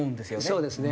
そうですね。